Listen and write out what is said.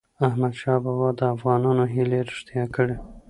احمدشاه بابا د افغانانو هیلې رښتیا کړی.